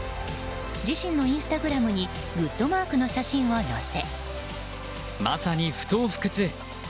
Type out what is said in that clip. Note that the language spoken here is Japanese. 自身のインスタグラムにグッドマークの写真を載せ。